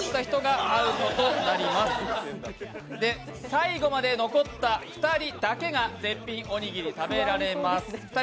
最後まで残った２人だけが絶品おにぎり食べられます。